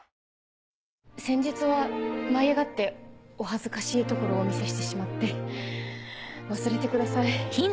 先日は舞い上がってお恥ずかしいところをお見せしてしまって忘れてください。